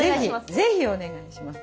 是非お願いします。